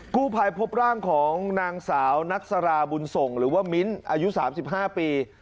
กู้ภัยพบร่างของนางสาวนัสราบุญส่งหรือว่ามิ้นอายุ๓๕ปี